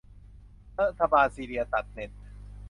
รัฐบาลซีเรียตัดเน็ต